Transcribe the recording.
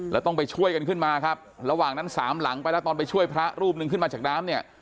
แล้วต้องไปช่วยกันขึ้นมาครับระหว่างนั้นสามหลังไปแล้วตอนไปช่วยพระรูปหนึ่งขึ้นมาจากน้ำเนี่ย